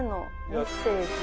メッセージ？